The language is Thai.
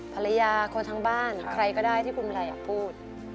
ภรรยาคนทั้งบ้านใครก็ได้ที่คุณไรพูด